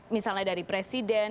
misalnya dari presiden